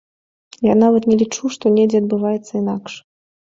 Я нават не лічу, што недзе адбываецца інакш.